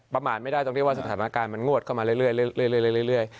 ประมาณไม่ได้ตรงนี้สถานการณ์มันงวดเข้ามาเรื่อย